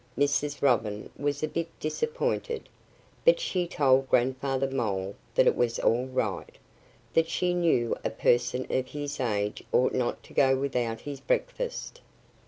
Mrs. Robin was a bit disappointed. But she told Grandfather Mole that it was all right that she knew a person of his age ought not to go without his breakfast.